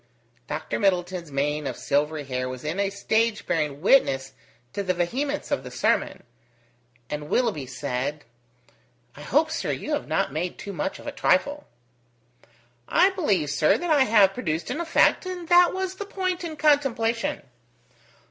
Dr Middleton's mane of silvery hair was in a state bearing witness to the vehemence of the sermon, and Willoughby said: "I hope, sir, you have not made too much of a trifle." "I believe, sir, that I have produced an effect, and that was the point in contemplation."